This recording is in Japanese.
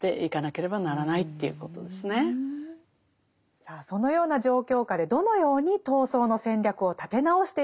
さあそのような状況下でどのように闘争の戦略を立て直していくべきなのでしょうか。